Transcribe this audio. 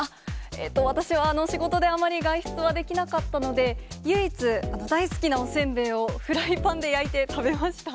私は、仕事であまり外出はできなかったので、唯一、大好きなおせんべいをフライパンで焼いて食べました。